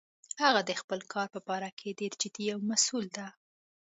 هغه د خپل کار په باره کې ډیر جدي او مسؤل ده